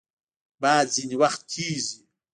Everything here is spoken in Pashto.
باد ځینې وخت تیز وي